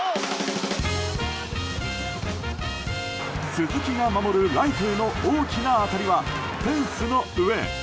鈴木が守るライトへの大きな当たりは、フェンスの上。